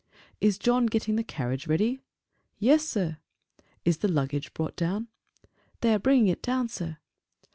"Is John getting the carriage ready?" "Yes, sir." "Is the luggage brought down?" "They are bringing it down, sir."